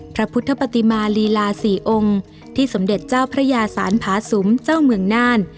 พระพุทธปฏิมาลีลาสี่องค์ที่สมเด็จเจ้าพระยาศาลผาสุมเจ้าเมืองน่าน